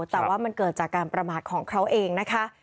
แต่ว่ามันเกิดจากการประมาทของเขาเองนะคะ